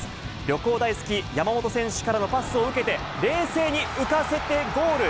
旅行大好き、山本選手からのパスを受けて、冷静に浮かせてゴール。